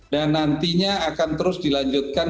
nantinya akan terus dilanjutkan